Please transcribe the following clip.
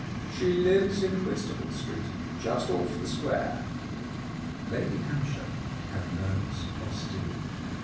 "She lives in Whitstaple Street, just off the Square." Lady Hampshire had nerves of steel.